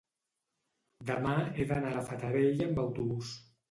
demà he d'anar a la Fatarella amb autobús.